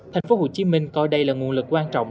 thành phố hồ chí minh coi đây là nguồn lực quan trọng